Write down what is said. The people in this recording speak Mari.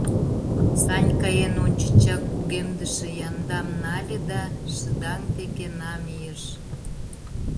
Санька эн ончычак кугемдыше яндам нале да шыдаҥ деке намийыш.